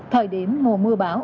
thời điểm mùa mưa bão